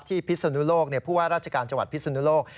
พิศนุโลกผู้ว่าราชการจังหวัดพิศนุโลก